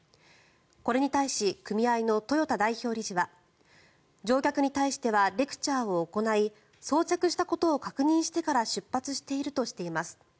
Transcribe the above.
これに対し組合の豊田代表理事は乗客に対してはレクチャーを行い装着したことを確認してから出発しているとしています。